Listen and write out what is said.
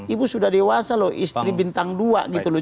ibu sudah dewasa loh istri bintang dua gitu loh